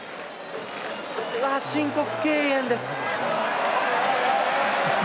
ああ、申告敬遠です。